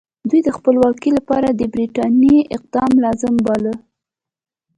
دوی د خپلواکۍ لپاره د برټانیې اقدام لازم باله.